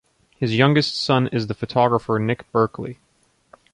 His youngest son is the photographer Nick Berkeley.